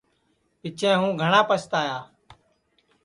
پِچھیں ہُوں گھٹؔا پستایا